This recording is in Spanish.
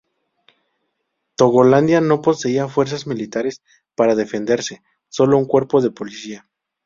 Togolandia no poseía fuerzas militares para defenderse, sólo un cuerpo de policía.